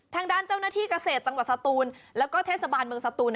ทางด้านเจ้าหน้าที่เกษตรจังหวัดสตูนแล้วก็เทศบาลเมืองสตูน